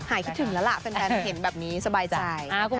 หายคิดถึงแล้วล่ะแฟนเห็นแบบนี้สบายใจ